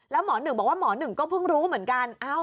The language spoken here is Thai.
แล้วหมอหนึ่งบอกว่าหมอหนึ่งก็เพิ่งรู้เหมือนกัน